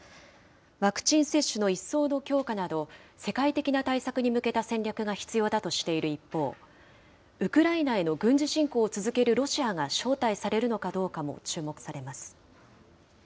ワクチン接種の一層の強化など、世界的な対策に向けた戦略が必要だとしている一方、ウクライナへの軍事侵攻を続けるロシアが招待されるのかどうかも注目されます。